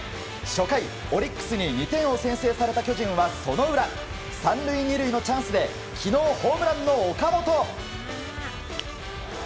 初回、オリックスに２点を先制された巨人はその裏、３塁２塁のチャンスで昨日、ホームランの岡本。